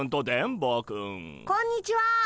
こんにちは。